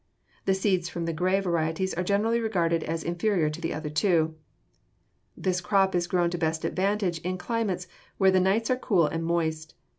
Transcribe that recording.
The seeds from the gray variety are generally regarded as inferior to the other two. This crop is grown to best advantage in climates where the nights are cool and moist.